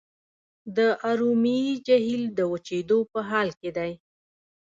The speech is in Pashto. د ارومیې جهیل د وچیدو په حال کې دی.